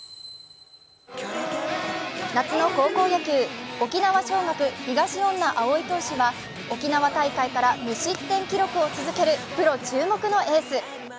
夏の高校野球、沖縄尚学、東恩納蒼投手は沖縄大会から無失点記録を続けるプロ注目のエース。